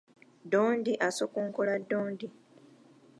Ddondi asokonkola ddondi.